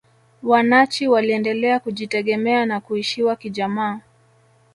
wanachi waliendelea kujitegemea na kuishiwa kijamaa